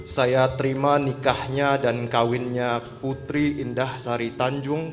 saya terima nikahnya dan kawinnya putri indah sari tanjung